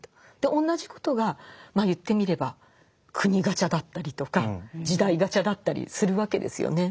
同じことが言ってみれば国ガチャだったりとか時代ガチャだったりするわけですよね。